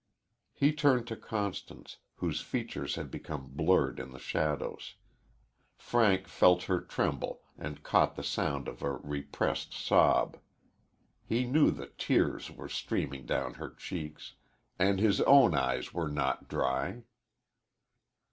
He turned to Constance, whose features had become blurred in the shadows. Frank felt her tremble and caught the sound of a repressed sob. He knew the tears were streaming down her cheeks, and his own eyes were not dry.